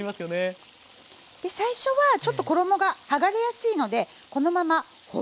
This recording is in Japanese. で最初はちょっと衣が剥がれやすいのでこのままほっておきます。